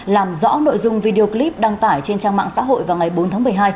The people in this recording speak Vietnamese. làm rõ nội dung video clip đăng tải trên trang mạng xã hội vào ngày bốn tháng một mươi hai